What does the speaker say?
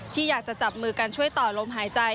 ที่อยากจะจับมือกันช่วยต่อลมหายใจ